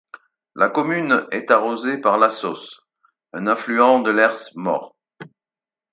La commune est arrosée par la Sausse un affluent de l'Hers-Mort.